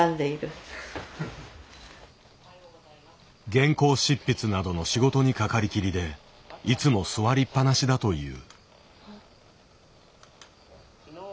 原稿執筆などの仕事にかかりきりでいつも座りっぱなしだという。